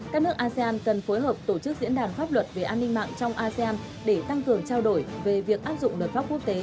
các nước asean cần phối hợp tổ chức diễn đàn pháp luật về an ninh mạng trong asean để tăng cường trao đổi về việc áp dụng luật pháp quốc tế